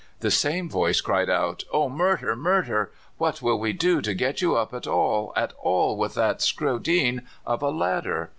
"The same voice cried out: 'Oh, murther! murther! What will we do to get you up at all, at all, with that scrawdeen of a ladtherr?